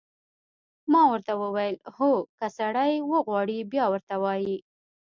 ما ورته وویل: هو، که سړی وغواړي، بیا ورته وایي.